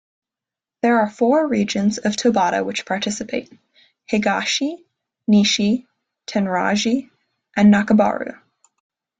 There are four regions of Tobata which participate: Higashi, Nishi, Tenraiji and Nakabaru.